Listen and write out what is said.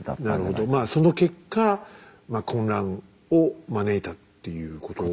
なるほどまあその結果混乱を招いたっていうことですね。